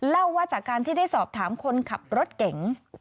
เล่าว่าจากการที่ได้สอบถามคนขับรถเก๋ง